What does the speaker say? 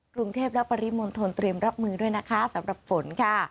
กรุงเทพและปริมณฑลเตรียมรับมือด้วยนะคะสำหรับฝนค่ะ